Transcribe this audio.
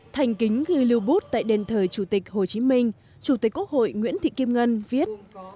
thành kính ghi lưu bút tại đền thờ chủ tịch hồ chí minh chủ tịch quốc hội nguyễn thị kim ngân viết